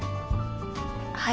はい。